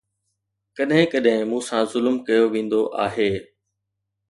ڪڏهن ڪڏهن مون سان ظلم ڪيو ويندو آهي